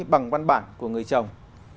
bằng văn bản của người chồng